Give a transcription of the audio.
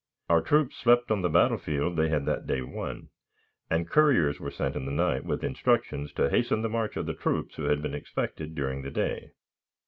Our troops slept on the battle field they had that day won, and couriers were sent in the night with instructions to hasten the march of the troops who had been expected during the day.